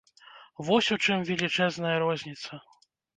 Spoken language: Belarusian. Вось у чым велічэзная розніца.